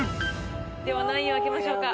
では何位を開けましょうか？